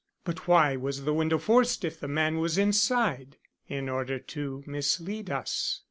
"But why was the window forced if the man was inside?" "In order to mislead us."